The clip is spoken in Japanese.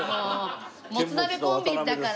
もつなべコンビだから。